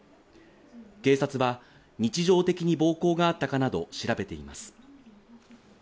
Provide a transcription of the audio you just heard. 警察は、日常的に暴行があったかなど調べています。